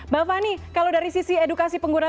mbak fani kalau dari sisi edukasi pengguna